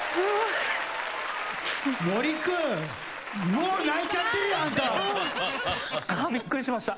もう泣いちゃってるよあんた。